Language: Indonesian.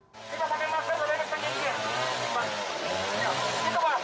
tidak pakai masker tidak pakai masker di sini